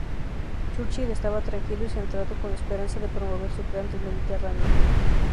Churchill estaba tranquilo y centrado, con la esperanza de promover su plan del Mediterráneo.